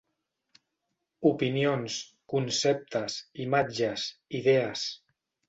Opinions, conceptes, imatges, idees...